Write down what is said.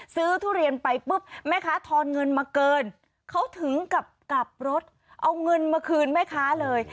ทุเรียนไปปุ๊บแม่ค้าทอนเงินมาเกินเขาถึงกับกลับรถเอาเงินมาคืนแม่ค้าเลย